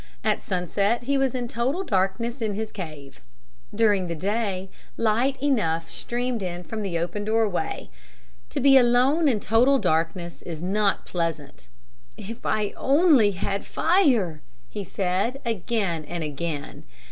At sunset he was in total darkness in his cave. During the day light enough streamed in from the open doorway. To be alone in total darkness is not pleasant. "If I only had fire!" he said again and again.